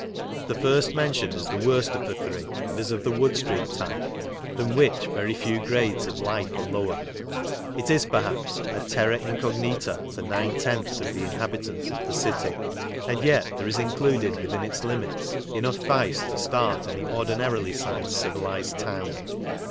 The first mentioned is the worst of the three, and is of the Wood street type, than which very few grades of life are lower. It is perhaps a terra incognita to nine tenths of the in habitants of the city, and yet there is included within its limits enough vice to start any ordinarily sized civilised town.